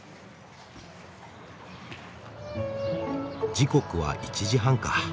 時刻は１時半か。